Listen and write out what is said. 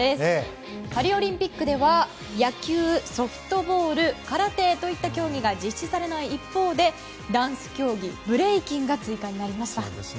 パリオリンピックでは野球・ソフトボール空手といった競技が実施されない一方でダンス競技、ブレイキンが追加になりました。